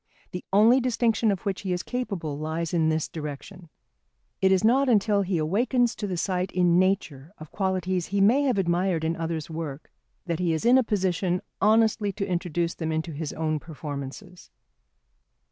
The only distinction of which he is capable lies in this direction. It is not until he awakens to the sight in nature of qualities he may have admired in others' work that he is in a position honestly to introduce them into his own performances.